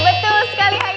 betul sekali iqal